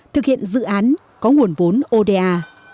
thực hiện dự án có nguồn vốn ô đa